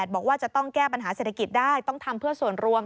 บอกว่าจะต้องแก้ปัญหาเศรษฐกิจได้ต้องทำเพื่อส่วนรวม